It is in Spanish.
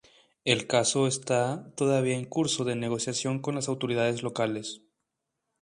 El caso está todavía en curso de negociación con las autoridades locales.